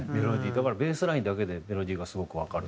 だからベースラインだけでメロディーがすごくわかる。